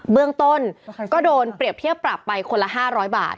เบื้องต้นก็โดนเปรียบเทียบปรับไปคนละ๕๐๐บาท